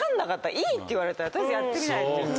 いいって言われたら取りあえずやってみないとっていうので。